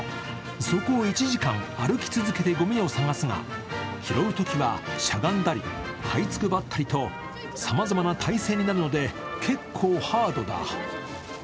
そこを１時間歩き続けてごみを探すが拾うときはしゃがんだりはいつくばったりと様々な体勢になるので結構ハードだ。